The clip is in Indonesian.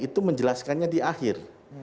itu menjelaskannya di akhir